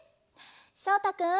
しょうたくん。